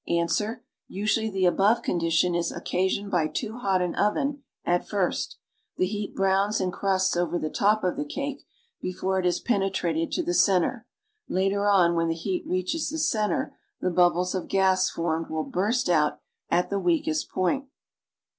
"' Ans. Usually the above condition is occasioned by too hot an oven at first. The heat browns and crusts over the top of the cake before it has penetrated to the center; later on when the heat reaches the center the bubbles of gas formed will burst out al the weakest point.